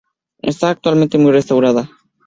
Está actualmente muy restaurada.